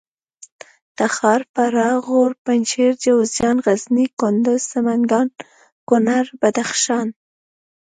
تخار فراه غور پنجشېر جوزجان غزني کندوز سمنګان کونړ بدخشان